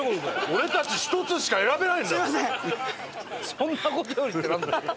「そんな事より」ってなんだよ。